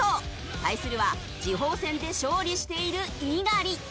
対するは次鋒戦で勝利している猪狩！